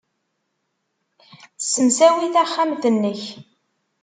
Ssemsawi taxxamt-nnek.